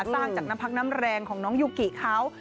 สร้างจากน้ำพักน้ำแรงของน้องยูกิเขา